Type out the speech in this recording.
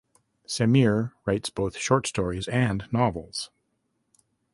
Samir writes both short stories and novels.